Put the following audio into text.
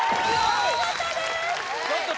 お見事です